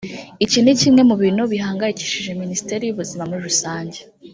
iki ni kimwe mu bintu bihangayikishije Minisiteri y’ubuzima muri rusange